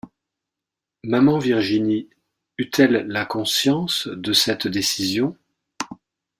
Maman Virginie eut-elle la conscience de cette décision?